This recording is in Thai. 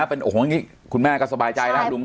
แล้วงั้นคุณแม่ก็สบายใจสินะคะ